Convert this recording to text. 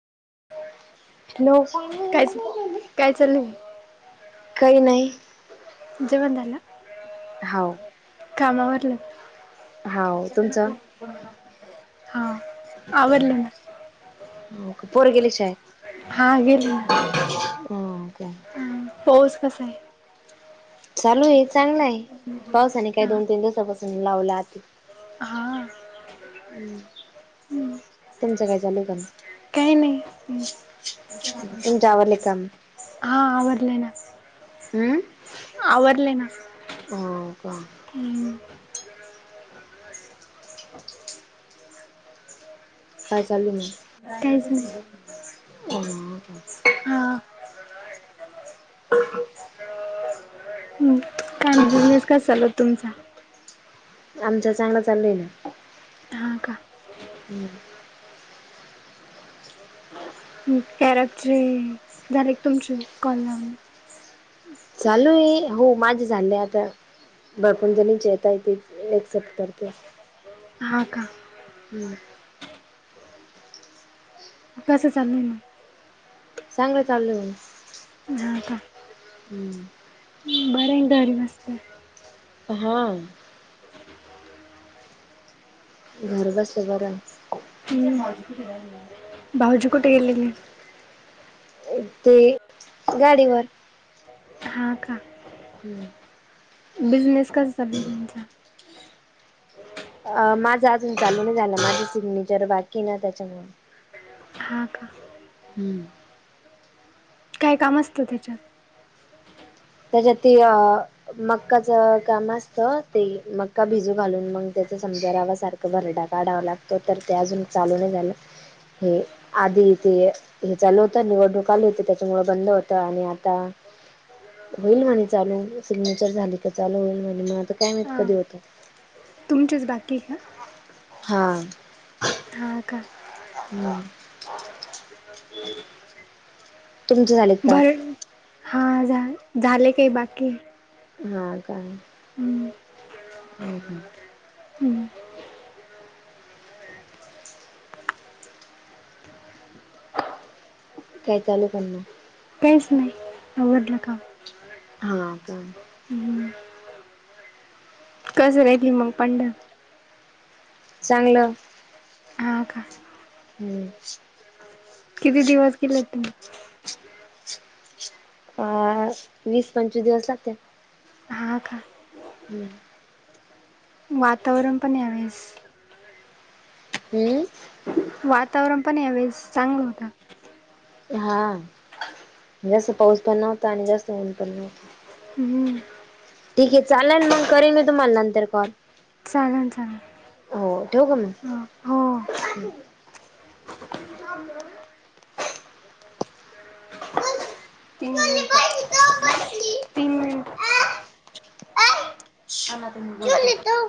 Hello काय काय चालयं? काही नाही. जेवण झालं? हाव. काम आवरलं? हाव तुमचं हा आवरलं ना. पोरं गेले शाळेत? हा गेली. हो का हम्म, पाऊस कसा हाय? चालू आय चांगला आय पावसाने काही हा दोन तीन दिवसापासून लावल आती. हा. तुमच्या काय चालू [unintelligible] काय नाही हेच. तुमचे आवरले काम? हा आवरले ना, हम्म आवरले ना. हो का हम्म. काय चालू आय मग? कायच नाय. हम्म. हा [inaudible] काय नाय बिझनेस कसा चालु आय तुमचा? आमचा चांगला चाललंय ना. हा का हम्म. क्यार्या ॲपची झाले का तुमचे कॉल लावून? चालुय हो माझे झाले आता. भरपूर जनींचे येत आहेत एकसेप्ट करतेय. हा का? हम्म. कसं चाललंय मग? चांगलं चाललंय. हा का? हम्म. अरेंज मॅरीज आसत. हा‌. घराच्या शेजाऱ्यांच हम्म. भाऊजी कुठे गेलेले? ते गाडीवर. हा का? हम्म‌. बिजनेस कस चालूय? अ माझं अजून चालू नाही झालं माझं सिग्नेचर बाकी ना त्याच्यामुळे. हा का? हम्म काय काम असतं तेच्यात. त्याच्यात ते अ मक्काच काम असतं ते मक्का भिजू घालून मग त्याच समजा रवा सारखं भरडा काढावा लागतो तर ते अजून चालू नाहि झाल. होईल. आधी ते हे चालू होतं. निवडणूक आली होती त्याच्यामुळ बंद होत. आणि आता होईल म्हणे चालू सिग्नेचर झाली का चालू होईल म्हणे. मग आता काय माहित हां कधी होत? तुमचेच बाकी. हा. हा का हम्म. तुमचे झालेत का? हा झाले. झालय काही बाकीय. हा का? हम्म. हम्म. काय चालू य काम? कायच नाही‌. आवरलं हा का? हम्म. कसं काय मग ति चांगल. हा. का? हम्म. किती दिवस केले तुम्ही? अ वीस पंचवीस दिवस लागत्यात. हा. का? हम्म. वातावरण पण ह्यावेळेस हम्म. वातावरण पण यावेेळेस चांगला होता. हा जास्त पाऊस पण नव्हता आणि जास्त ऊन पण नव्हत [unintelligible] ठीके, चालेल मग, करेन मी तुम्हाला नंतर कॉल. [unintelligible] हो, ठेवू का मग? हो तीन मिनिटं मग तीन मिनिट